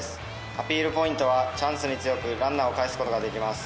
アピールポイントはチャンスに強くランナーをかえすことができます。